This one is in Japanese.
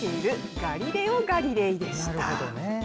ガリレオ・ガリレイでした。